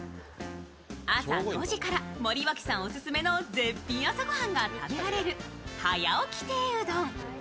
朝５時から森脇さんオススメの絶品朝ご飯が食べられる早起亭うどん。